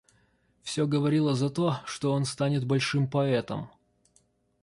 Всё говорило за то, что он станет большим поэтом.